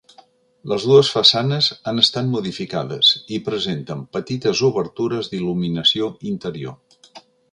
Les dues façanes han estat modificades i presenten petites obertures d'il·luminació interior.